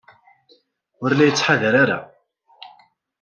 Ur la yettḥadar ara.